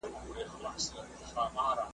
وئېل ئې بس يو زۀ اؤ دېوالونه د زندان دي `